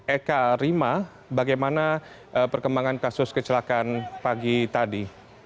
eka rima bagaimana perkembangan kasus kecelakaan pagi tadi